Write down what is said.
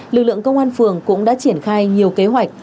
lực lượng công an phường cũng đã triển khai nhiều kế hoạch